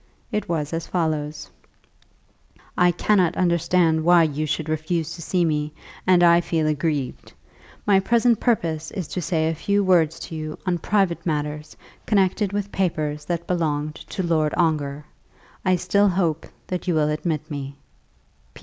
It was as follows: "I cannot understand why you should refuse to see me, and I feel aggrieved. My present purpose is to say a few words to you on private matters connected with papers that belonged to Lord Ongar. I still hope that you will admit me.